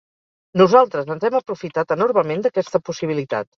Nosaltres ens hem aprofitat enormement d'aquesta possibilitat.